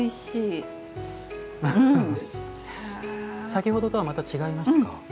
先ほどとはまた違いますか？